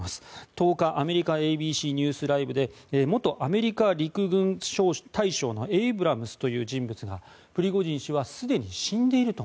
１０日、アメリカＡＢＣニュースライブで元アメリカ陸軍大将のエイブラムスという人物がプリゴジン氏はすでに死んでいると。